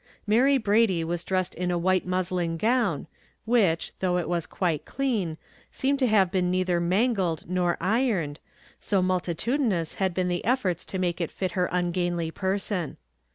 Mary Brady was dressed in a white muslin gown, which, though it was quite clean, seemed to have been neither mangled nor ironed, so multitudinous had been the efforts to make it fit her ungainly person.